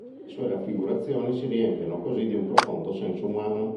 Le sue raffigurazioni si riempiono così di un profondo senso umano".